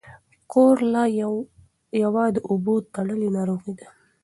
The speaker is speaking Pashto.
کولرا یوه د اوبو تړلۍ ناروغي ده.